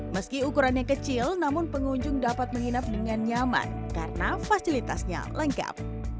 meski ukurannya kecil namun pengunjung dapat menginap dengan nyaman karena fasilitasnya lengkap